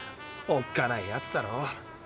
おっかないやつだろ。